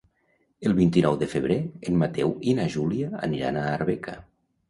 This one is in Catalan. El vint-i-nou de febrer en Mateu i na Júlia aniran a Arbeca.